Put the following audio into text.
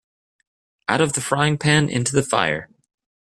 Out of the frying pan into the fire.